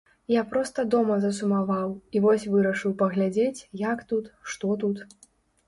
Я проста дома засумаваў, і вось вырашыў паглядзець, як тут, што тут.